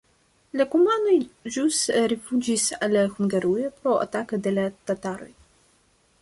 La kumanoj ĵus rifuĝis al Hungarujo pro atako de la tataroj.